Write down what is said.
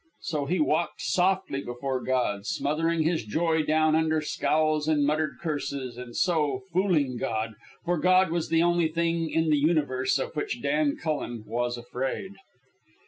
So he walked softly before God, smothering his joy down under scowls and muttered curses, and, so, fooling God, for God was the only thing in the universe of which Dan Cullen was afraid.